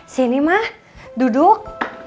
sini mah duduk